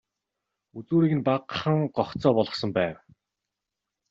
Үзүүрийг нь багахан гогцоо болгосон байв.